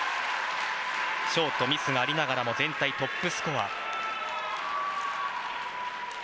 ショート、ミスがありながらも全体トップスコア。